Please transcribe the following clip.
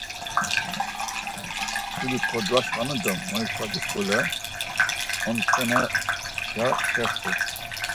Şuri kodvoşvanu do moyşvacu şuǩule ontsxeneşa kext̆u.